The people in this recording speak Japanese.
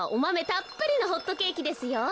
たっぷりのホットケーキですよ。